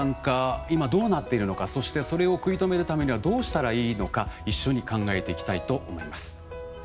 今どうなっているのかそしてそれを食い止めるためにはどうしたらいいのか一緒に考えていきたいと思います。